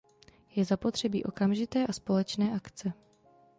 Je zapotřebí okamžité a společné akce.